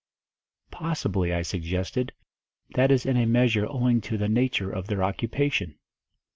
"Possibly," I suggested, "that is in a measure owing to the nature of their occupation."